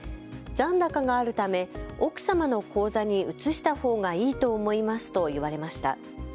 残高があるため奥様の口座に移したほうがいいと思いますと言われました。